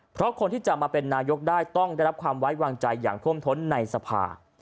เพราะคนที่จะมาเป็นนายกได้ต้องได้รับความไว้วางใจอย่างท่วมท้นในสภา